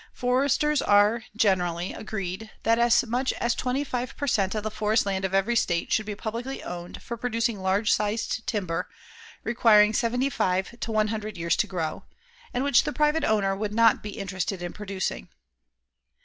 Foresters are, generally, agreed that as much as 25 per cent. of the forest land of every state should be publicly owned for producing large sized timber, requiring seventy five to one hundred years to grow, and which the private owner would not be interested in producing.